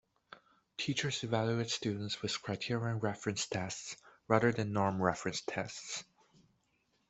Teachers evaluate students with criterion-referenced tests rather than norm-referenced tests.